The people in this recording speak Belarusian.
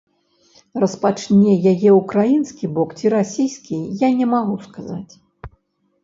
Распачне яе ўкраінскі бок ці расійскі, я не магу сказаць.